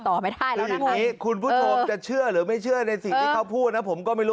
ที่สาเหตุเผารถเนี่ย